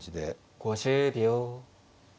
５０秒。